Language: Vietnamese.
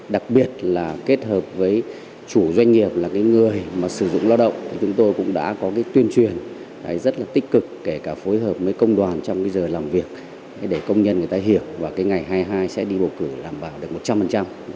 đặc biệt là kết hợp với chủ doanh nghiệp là cái người mà sử dụng lao động thì chúng tôi cũng đã có cái tuyên truyền rất là tích cực kể cả phối hợp với công đoàn trong cái giờ làm việc để công nhân người ta hiểu và cái ngày hai mươi hai sẽ đi bầu cử đảm bảo được một trăm linh